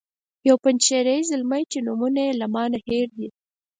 یو پنجشیری زلمی چې نومونه یې له ما نه هیر دي.